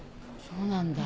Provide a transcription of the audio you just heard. そうなんだ。